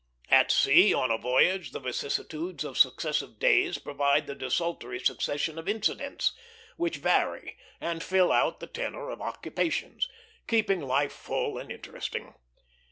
At sea, on a voyage, the vicissitudes of successive days provide the desultory succession of incidents, which vary and fill out the tenor of occupations, keeping life full and interesting.